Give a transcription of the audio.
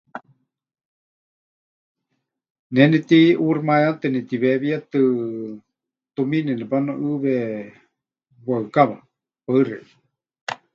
Ne netiʼuuximayátɨ, netiweewíetɨ tumiini nepanuʼɨwe waɨkawa. Paɨ xeikɨ́a.